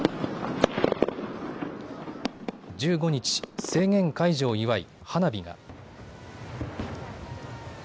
１５日、制限解除を祝い花火が。